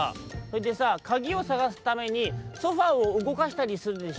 「それでさあかぎをさがすためにソファーをうごかしたりするでしょ」。